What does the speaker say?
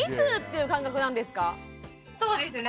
そうですね。